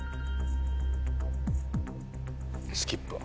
スキップは？